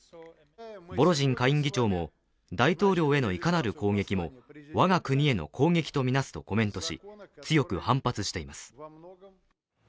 ボロジン下院議長も大統領へのいかなる攻撃も我が国への攻撃とみなすとコメントし、強く反発しています。